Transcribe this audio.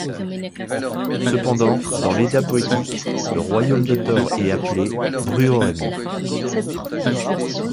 Cependant, dans l'Edda poétique, le royaume de Thor est appelé Þrúðheimr.